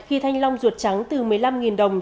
khi thanh long ruột trắng từ một mươi năm đồng